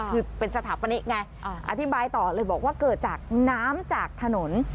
คือเป็นสถาปนิกไงอธิบายต่อเลยบอกว่าเกิดจากน้ำจากถนน